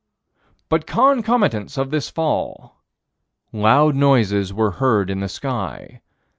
But concomitants of this fall: Loud noises were heard in the sky.